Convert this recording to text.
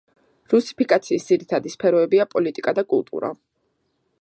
რუსიფიკაციის ძირითადი სფეროებია პოლიტიკა და კულტურა.